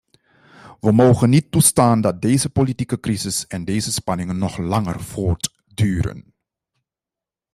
We mogen niet toestaan dat deze politieke crisis en deze spanningen nog langer voortduren.